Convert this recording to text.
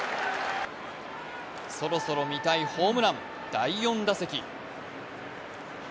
そろそろ見たいホームラン、第４打席。